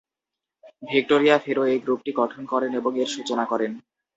Victoria Ferro এই গ্রুপটি গঠন করেন এবং এর সূচনা করেন।